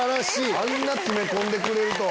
あんな詰め込んでくれるとは。